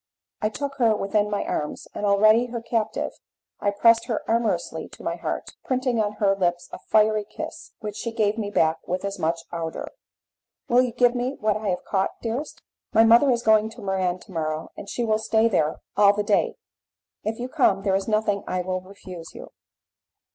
I took her within my arms, and already her captive, I pressed her amorously to my heart, printing on her lips a fiery kiss, which she gave me back with as much ardour. "Will you give me what I have caught, dearest?" "My mother is going to Muran to morrow, and she will stay there all the day; if you come, there is nothing I will refuse you."